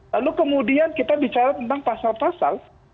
lalu kemudian kita bicara tentang pasal pasal